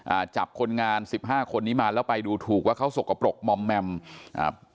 อ่าจับคนงานสิบห้าคนนี้มาแล้วไปดูถูกว่าเขาสกปรกมอมแมมอ่า